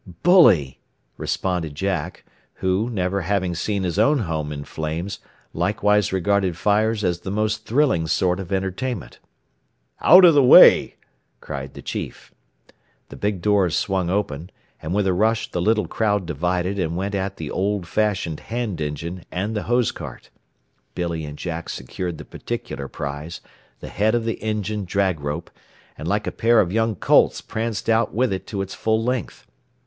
"Bully!" responded Jack; who, never having seen his own home in flames, likewise regarded fires as the most thrilling sort of entertainment. "Out of the way!" cried the chief. The big doors swung open, and with a rush the little crowd divided and went at the old fashioned hand engine and the hose cart. Billy and Jack secured the particular prize, the head of the engine drag rope, and like a pair of young colts pranced out with it to its full length.